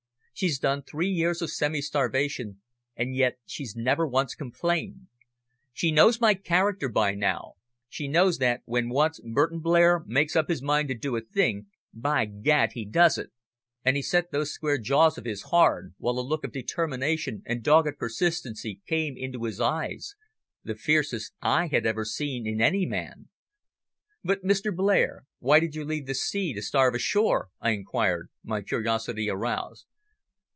She's done three years of semi starvation, and yet she's never once complained. She knows my character by now, she knows that when once Burton Blair makes up his mind to do a thing, by Gad! he does it," and he set those square jaws of his hard, while a look of determination and dogged persistency came into his eyes, the fiercest I had ever seen in any man. "But, Mr. Blair, why did you leave the sea to starve ashore?" I inquired, my curiosity aroused.